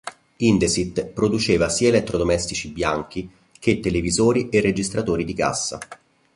Indesit produceva sia elettrodomestici "bianchi" che televisori e registratori di cassa.